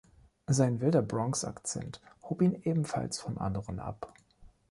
Sein wilder Bronx-Akzent hob ihn ebenfalls von anderen ab.